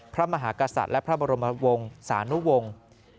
พระมหากษัตริย์และพระบรมวงศานุวงศ์